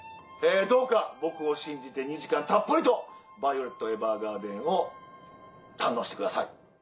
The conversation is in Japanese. どうか僕を信じて２時間たっぷりと『ヴァイオレット・エヴァーガーデン』を堪能してください。